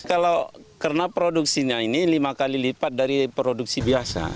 kalau karena produksinya ini lima kali lipat dari produksi biasa